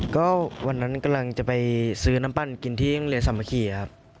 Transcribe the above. ก็วันนั้นกำลังจะไปซื้อน้ำปั้นกินที่โรงเรียนสามัคคีครับ